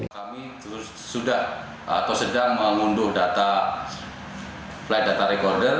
kami sudah atau sedang mengunduh data flight data recorder